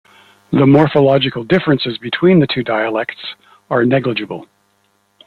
The morphological differences between the two dialects are negligible.